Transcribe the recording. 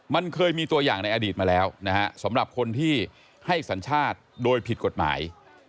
มันเคยมีตัวอย่างในอดีตมาแล้วนะฮะสำหรับคนที่ให้สัญชาติโดยผิดกฎหมาย